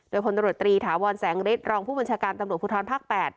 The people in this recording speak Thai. โดยพลตรวจตรีถาวรแสงฤทธิรองผู้บัญชาการตำรวจภูทรภาค๘